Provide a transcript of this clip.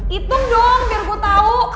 hitung dong biar gue tau